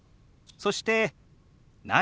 そして「何？」。